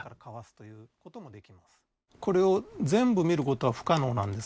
これを全部見ることは不可能なんです。